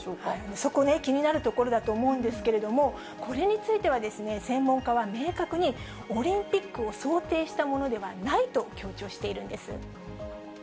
そこね、気になるところだと思うんですけれども、これについてはですね、専門家は明確に、オリンピックを想定したものではないと強調しているんです。